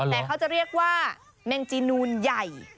แต่เขาจะเรียกว่าแมงจีนูนใหญ่